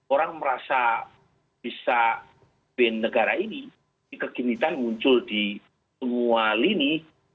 orang merasa bisa band negara ini kekinitan muncul di semua lini